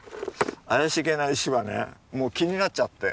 怪しげな石はねもう気になっちゃって。